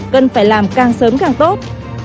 cần phải làm càng sớm càng tốt